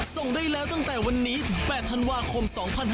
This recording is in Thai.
ส่งได้แล้วตั้งแต่วันนี้ถึง๘ธันวาคม๒๕๖๒